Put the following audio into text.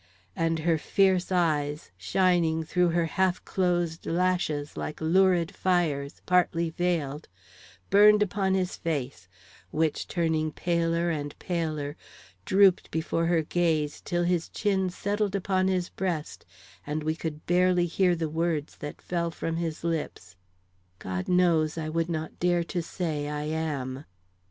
And her fierce eyes, shining through her half closed lashes like lurid fires partly veiled, burned upon his face, which, turning paler and paler, drooped before her gaze till his chin settled upon his breast and we could barely hear the words that fell from his lips: "God knows I would not dare to say I am."